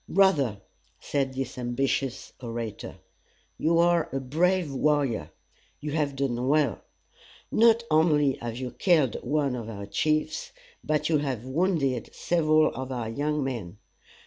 "Brother," said this ambitious orator, "you are a brave warrior. You have done well. Not only have you killed one of our chiefs, but you have wounded several of our young men.